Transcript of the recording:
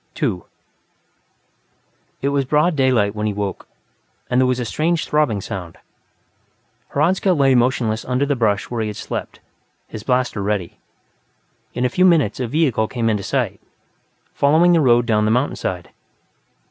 2 It was broad daylight when he woke, and there was a strange throbbing sound; Hradzka lay motionless under the brush where he had slept, his blaster ready. In a few minutes, a vehicle came into sight, following the road down the mountainside.